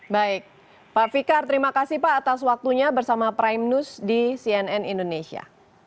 baik pak fikar terima kasih pak atas waktunya bersama prime news di cnn indonesia